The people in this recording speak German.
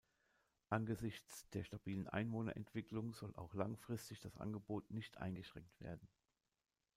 Angesichts der stabilen Einwohnerentwicklung soll auch langfristig das Angebot nicht eingeschränkt werden.